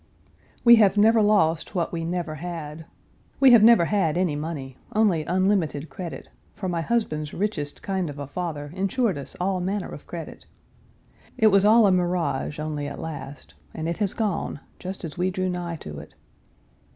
We have never lost what we never had. We have never had any money only unlimited credit, for my husband's richest kind of a father insured us all manner of credit. It was all a mirage only at last, and it has gone just as we drew nigh to it.